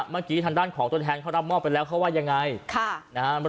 เมื่อกี้ทางด้านของตัวแทนเขารับมอบไปแล้วเขาว่ายังไง